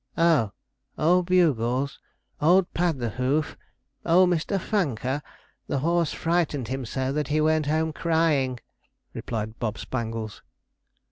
'Oh! old Bugles! old Pad the Hoof! old Mr. Funker! the horse frightened him so, that he went home crying,' replied Bob Spangles.